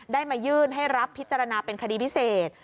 ได้มายื่นให้รับพิจารณาเป็นคดีพิเศษ